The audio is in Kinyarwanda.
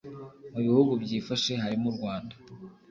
Mu bihugu byifashe harimo u Rwanda